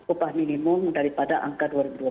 upah minimum daripada angka dua ribu dua puluh